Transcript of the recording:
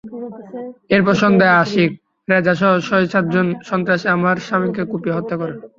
এরপর সন্ধ্যায় আশিক, রেজাসহ ছয়-সাতজন সন্ত্রাসী আমার স্বামীকে কুপিয়ে হত্যা করে।